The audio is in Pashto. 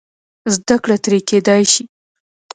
زده کړه ترې کېدای شي.